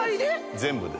全部です。